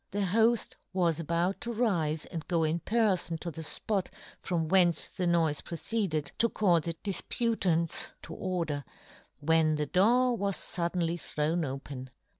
The hoft was about to rife and go in per fon to the fpot from whence the noife proceeded, to call the difputants to order, when the door was fuddenly thrown open.